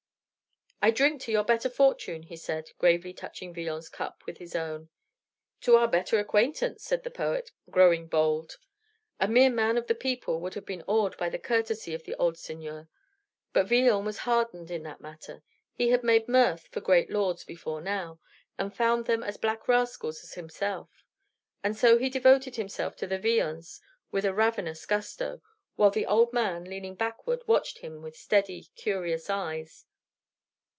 "I drink to your better fortune," he said, gravely touching Villon's cup with his own. "To our better acquaintance," said the poet, growing bold. A mere man of the people would have been awed by the courtesy of the old seigneur, but Villon was hardened in that matter; he had made mirth for great lords before now, and found them as black rascals as himself. And so he devoted himself to the viands with a ravenous gusto, while the old man, leaning backward, watched him with steady, curious eyes.